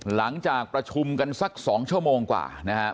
หลังจากประชุมกันสัก๒ชั่วโมงกว่านะครับ